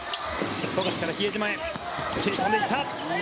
富樫から比江島へ切り込んでいった。